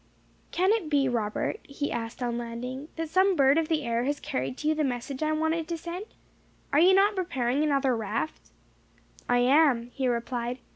"Can it be, Robert," he asked, on landing, "that some bird of the air has carried to you the message I wanted to send? Are you not preparing another raft?" "I am," he replied.